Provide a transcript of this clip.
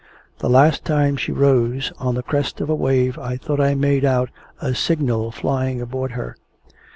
The last time she rose on the crest of a wave, I thought I made out a signal flying aboard her."